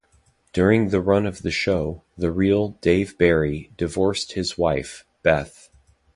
During the run of the show, the real Dave Barry divorced his wife, Beth.